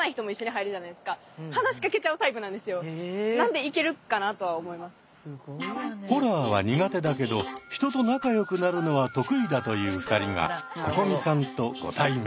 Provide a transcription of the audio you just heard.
でも私結構ホラーは苦手だけど人と仲よくなるのは得意だという２人がここみさんとご対面。